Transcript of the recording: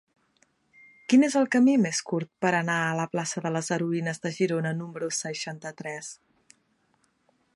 Quin és el camí més curt per anar a la plaça de les Heroïnes de Girona número seixanta-tres?